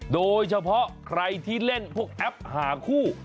โดยเฉพาะใครที่เล่นพวกแอปหาคู่